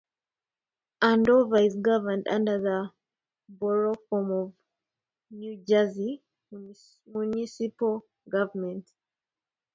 Andover is governed under the Borough form of New Jersey municipal government.